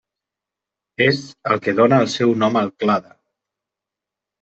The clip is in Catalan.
És el que dóna el seu nom al clade.